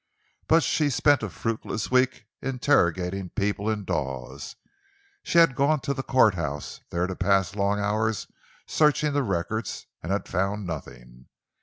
But she spent a fruitless week interrogating people in Dawes. She had gone to the courthouse, there to pass long hours searching the records—and had found nothing.